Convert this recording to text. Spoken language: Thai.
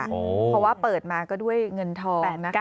เพราะว่าเปิดมาก็ด้วยเงินทองนะคะ